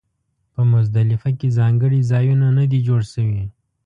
په مزدلفه کې ځانګړي ځایونه نه دي جوړ شوي.